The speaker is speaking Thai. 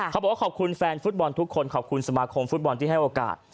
ขอบคุณแฟนฟุตบอลทุกคนขอบคุณสมาคมฟุตบอลที่ให้โอกาส